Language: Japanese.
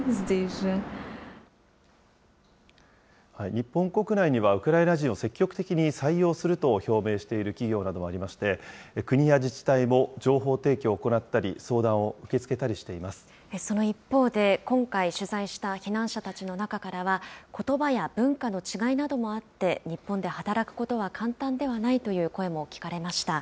日本国内にはウクライナ人を積極的に採用すると表明している企業などもありまして、国や自治体も情報提供を行ったり、相談をその一方で、今回取材した避難者たちの中からは、ことばや文化の違いなどもあって、日本で働くことは簡単ではないという声も聞かれました。